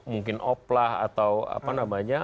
mungkin oplah atau apa namanya